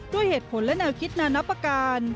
ด้วยเหตุผลและแนวคิดนานับประการ